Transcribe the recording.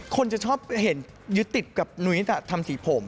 คนจะชอบเห็นยึดติดกับนุ้ยทำสีผม